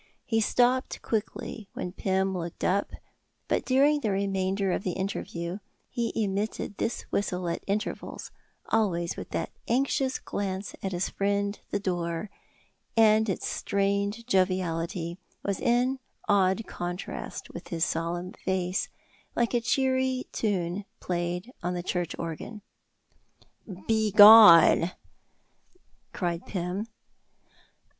He stopped quickly when Pym looked up, but during the remainder of the interview he emitted this whistle at intervals, always with that anxious glance at his friend the door; and its strained joviality was in odd contrast with his solemn face, like a cheery tune played on the church organ. "Begone!" cried Pym.